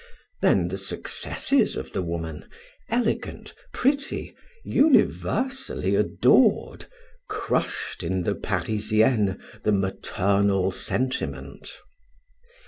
Then the successes of the woman, elegant, pretty, universally adored, crushed in the Parisienne the maternal sentiment.